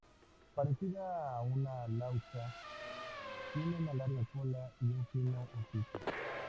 Parecida a una laucha, tiene una larga cola y un fino hocico.